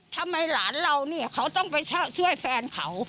ทำไมหลานเราเนี่ยเขาต้องไปช่วยแฟนเขา